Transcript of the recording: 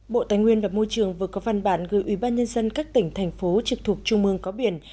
bộ tài nguyên và môi trường vừa có văn bản gửi ubnd các tỉnh thành phố trực thuộc trung mương có biển